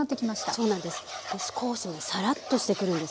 そうなんです。